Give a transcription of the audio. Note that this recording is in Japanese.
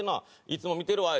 「いつも見てるわ」